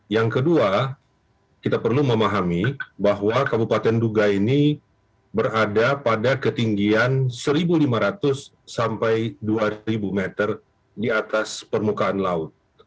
yang kedua kita perlu memahami bahwa kabupaten duga ini berada pada ketinggian satu lima ratus sampai dua ribu meter di atas permukaan laut